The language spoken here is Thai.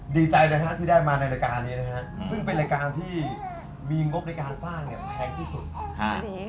ดีใจนะฮะที่ได้มาในรายการนี้นะฮะซึ่งเป็นรายการที่มีงบในการสร้างเนี่ยแพงที่สุด